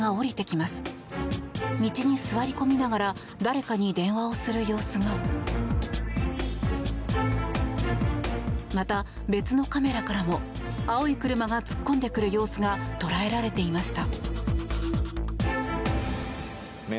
また、別のカメラからも青い車が突っ込んでくる様子が捉えられていました。